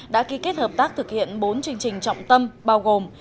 đã ký kết hợp tác thực hiện bốn chương trình trọng tâm bao gồm